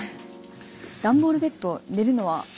段ボールベッド寝るのは。